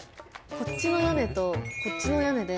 こっちのやねとこっちのやねで。